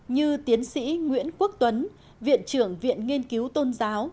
như tiến sĩ nguyễn quốc tuấn viện trưởng viện nghiên cứu tôn giáo